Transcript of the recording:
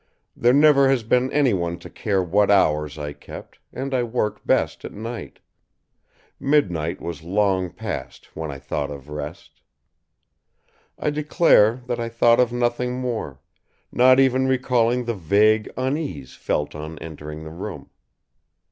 There never has been anyone to care what hours I kept, and I work best at night. Midnight was long past when I thought of rest. I declare that I thought of nothing more; not even recalling the vague unease felt on entering the room.